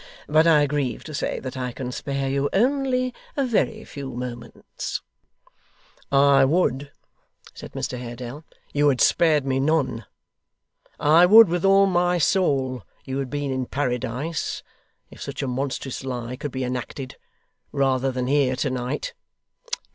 But I grieve to say that I can spare you only a very few moments.' 'I would,' said Mr Haredale, 'you had spared me none. I would, with all my soul, you had been in Paradise (if such a monstrous lie could be enacted), rather than here to night.